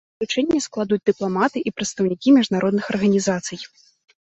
Выключэнне складуць дыпламаты і прадстаўнікі міжнародных арганізацый.